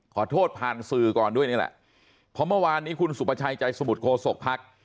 ขอโทษผ่านสื่อก่อนด้วยนี่แหละเพราะเมื่อวานนี้คุณสุประชัยใจสมุทรโคศกภักดิ์